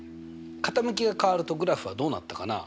傾きが変わるとグラフはどうなったかな？